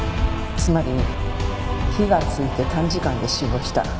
つまり火がついて短時間で死亡した。